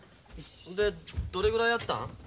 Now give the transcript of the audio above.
でどれぐらいやった？